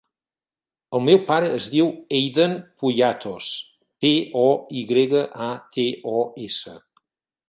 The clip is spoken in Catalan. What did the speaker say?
El meu pare es diu Eiden Poyatos: pe, o, i grega, a, te, o, essa.